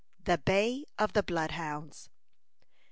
THE BAY OF THE BLOODHOUNDS.